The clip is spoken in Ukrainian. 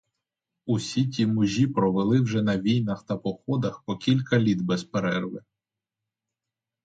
Усі ті мужі провели вже на війнах та походах по кілька літ без перерви.